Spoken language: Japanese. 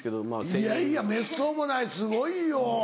いやいやめっそうもないすごいよ！